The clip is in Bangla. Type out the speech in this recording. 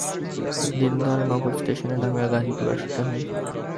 দিলদারনগর ষ্টেশনে নামিয়া গাজীপুরে আসিতে হয়।